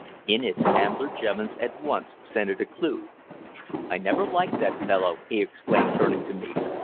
In it Ambler Jevons at once scented a clue. "I never liked that fellow!" he exclaimed, turning to me.